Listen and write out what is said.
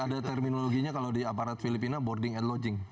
ada terminologi kalau di aparat filipina boarding and lodging